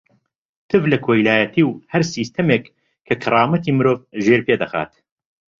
تف لە کۆیلایەتی و هەر سیستەمێک کە کەرامەتی مرۆڤ ژێرپێ دەخات.